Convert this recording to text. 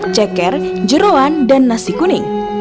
ceker jeruan dan nasi kuning